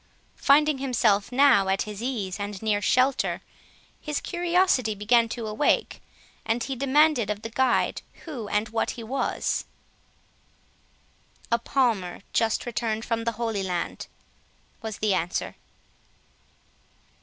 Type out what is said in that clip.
Finding himself now at his ease and near shelter, his curiosity began to awake, and he demanded of the guide who and what he was. "A Palmer, just returned from the Holy Land," was the answer.